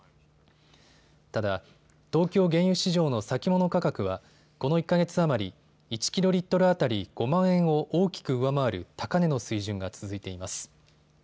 ただ、東京原油市場の先物価格はこの１か月余り１キロリットル当たり５万円を大きく上回る高値の水準が続いています。